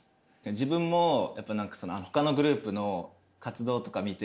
自分もやっぱ何かほかのグループの活動とか見て